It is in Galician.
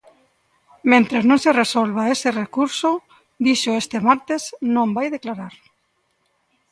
Mentres non se resolva ese recurso, dixo este martes, non vai declarar.